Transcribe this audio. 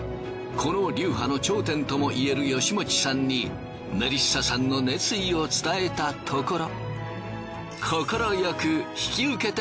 この流派の頂点ともいえる吉用さんにメリッサさんの熱意を伝えたところ。